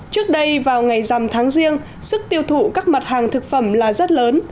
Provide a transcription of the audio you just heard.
trước đây vào ngày dằm tháng riêng sức tiêu thụ các mặt hàng thực phẩm là rất lớn